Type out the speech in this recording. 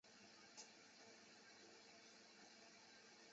胎盘由以血管与结缔组织构成的脐带与胚胎相连。